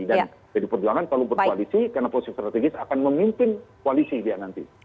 dan pdi perjuangan kalau berkoalisi karena posisi strategis akan memimpin koalisi dia nanti